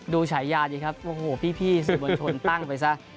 ดูฉายาดดีครับโอ้โหพี่สุดบนชนตั้งไปซะ